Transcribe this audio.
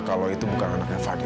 kalau itu bukan anaknya fakih